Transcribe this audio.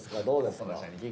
どうですか？